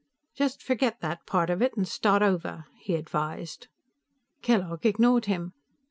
"Just forget that part of it and start over," he advised. Kellogg ignored him.